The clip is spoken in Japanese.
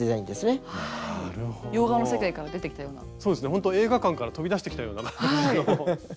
ほんと映画館から飛び出してきたような感じの。